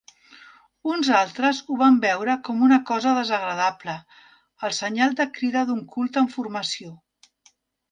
Uns altres ho van veure com una cosa desagradable - el senyal de crida d'un culte en formació.